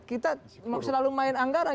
kita selalu main anggaran